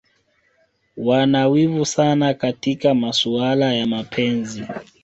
Wana wivu sana katika masuala ya mapenzi